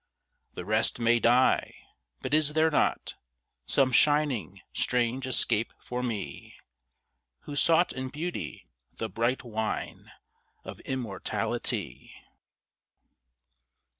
The rest may die but is there not Some shining strange escape for me Who sought in Beauty the bright wine Of immortality?